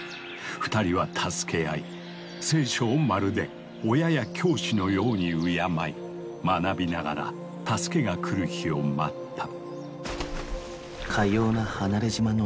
二人は助け合い「聖書」をまるで親や教師のように敬い学びながら助けが来る日を待った。